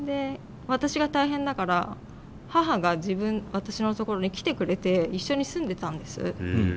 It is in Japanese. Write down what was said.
私が大変だから母が私のところに来てくれて一緒に住んでたんです。